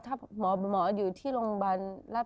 ถ้าหมอมาอยู่ที่โรงพยาบาล